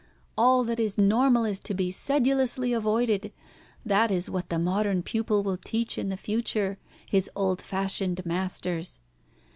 All that is normal is to be sedulously avoided. That is what the modern pupil will teach in the future his old fashioned masters.